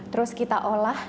terus kita olah